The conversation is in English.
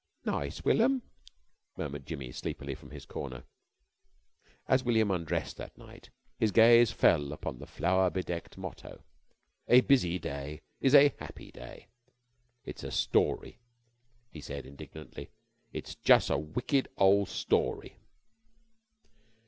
"Nice Willum!" murmured Jimmy sleepily from his corner. As William undressed that night his gaze fell upon the flower bedecked motto: "A Busy Day is a Happy Day." "It's a story," he said, indignantly. "It's jus' a wicked ole story."